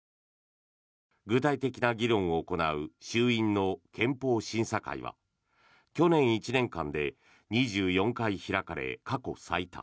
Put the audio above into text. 具体的な議論を行う衆院の憲法審査会は去年１年間で２４回開かれ過去最多。